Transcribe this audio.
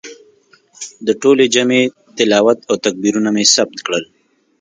د ټولې جمعې تلاوت او تکبیرونه مې ثبت کړل.